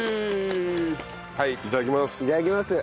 はいいただきます。